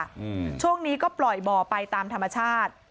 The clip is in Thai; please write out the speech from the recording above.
อืมช่วงนี้ก็ปล่อยบ่อไปตามธรรมชาติ